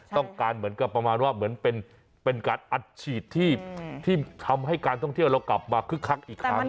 ต้องการเหมือนกับประมาณว่าเหมือนเป็นการอัดฉีดที่ทำให้การท่องเที่ยวเรากลับมาคึกคักอีกครั้ง